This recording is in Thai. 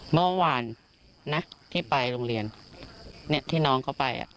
เมื่อวานนะที่ไปโรงเรียนที่น้องเขาไป